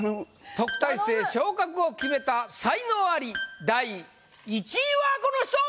特待生昇格を決めた才能アリ第１位はこの人！